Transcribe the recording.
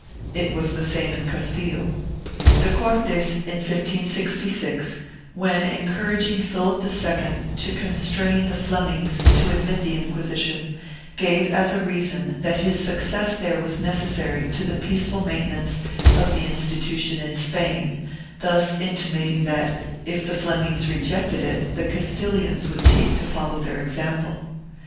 3 It was the same in Castile. The Cortes, in 1566, when encouraging Philip II to constrain the Flemings to admit the Inquisition, gave as a reason that his success there was necessary to the peaceful maintenance of the institution in Spain, thus intimating that, if the Flemings rejected it, the Castilians would seek to follow their example.